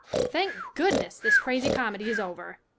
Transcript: Thank goodness this crazy comedy is over.